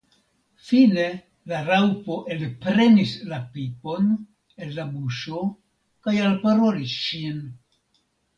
Fine la Raŭpo elprenis la pipon el la buŝo kaj alparolis ŝin.